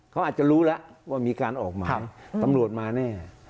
เขาอาจจะรู้แล้วว่ามีการออกหมายตำรวจมาแน่